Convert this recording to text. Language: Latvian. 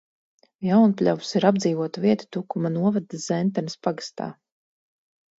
Jaunpļavas ir apdzīvota vieta Tukuma novada Zentenes pagastā.